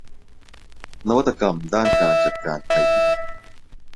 นวัตกรรมด้านการจัดการภัยพิบัติ